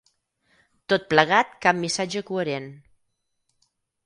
Tot plegat cap missatge coherent.